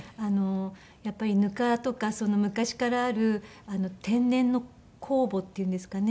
やっぱりぬかとか昔からある天然の酵母っていうんですかね。